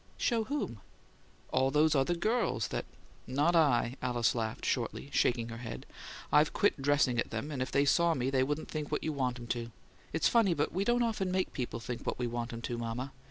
"Show whom!" "All these other girls that " "Not I!" Alice laughed shortly, shaking her head. "I've quit dressing at them, and if they saw me they wouldn't think what you want 'em to. It's funny; but we don't often make people think what we want 'em to, mama.